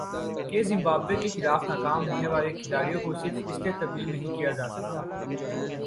کہ زمبابوے کے خلاف ناکام ہونے والے کھلاڑیوں کو صرف اس لیے تبدیل نہیں کیا جا سکتا